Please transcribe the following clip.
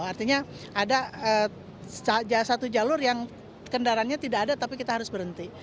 artinya ada satu jalur yang kendaraannya tidak ada tapi kita harus berhenti